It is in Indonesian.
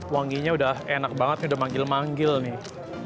wanginya udah enak banget udah manggil manggil nih